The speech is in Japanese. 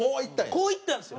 こういったんです。